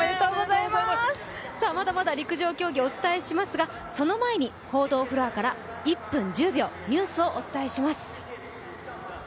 まだまだ陸上競技お伝えしますがその前に、１分１０秒ニュースをお伝えします。